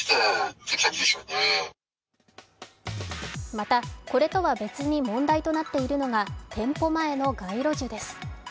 また、これとは別に問題となっているのが店舗前の街路樹です。